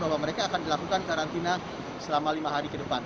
bahwa mereka akan dilakukan karantina selama lima hari ke depan